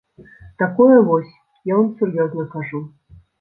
Такое вось, я вам сур'ёзна кажу.